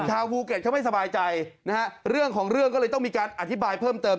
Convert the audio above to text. ชาวภูเก็ตเขาไม่สบายใจนะฮะเรื่องของเรื่องก็เลยต้องมีการอธิบายเพิ่มเติม